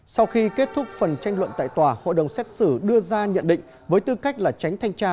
sau khi kết thúc phần tranh luận tại tòa hội đồng xét xử đưa ra nhận định với tư cách là tránh thanh tra